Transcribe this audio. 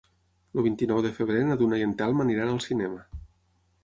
El vint-i-nou de febrer na Duna i en Telm aniran al cinema.